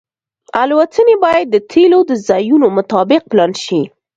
الوتنې باید د تیلو د ځایونو مطابق پلان شي